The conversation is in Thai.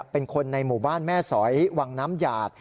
เป็นคนในหมู่บ้านแม่สอยวังน้ำหยาด